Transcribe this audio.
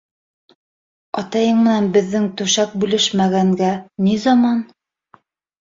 Атайың менән беҙҙең түшәк бүлешмәгәнгә ни заман!